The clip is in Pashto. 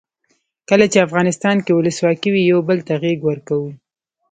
کله چې افغانستان کې ولسواکي وي یو بل ته غیږ ورکوو.